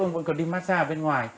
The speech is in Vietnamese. ông vẫn còn đi massage bên ngoài